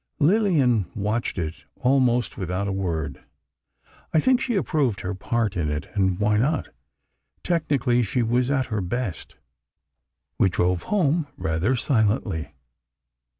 Lillian watched it almost without a word. I think she approved her part in it, and why not? Technically, she was at her best. We drove home rather silently.